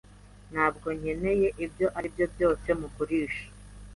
Ntabwo nkeneye ibyo aribyo byose mugurisha.